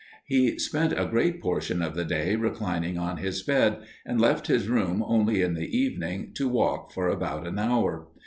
He spent a great portion of the day reclining on his bed, and left his room only in the evening, to walk for about an hour.